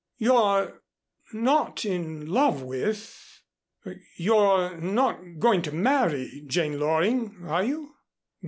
"You're not in love with you're not going to marry Jane Loring, are you?"